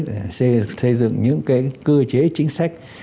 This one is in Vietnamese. để xây dựng những cái cơ chế chính sách